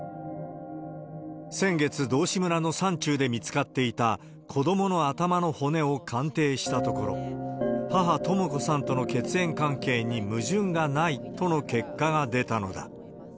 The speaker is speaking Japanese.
先月、道志村の山中で見つかっていた、子どもの頭の骨を鑑定したところ、母、とも子さんとの血縁関係に矛盾がないとの結果が出たのだ。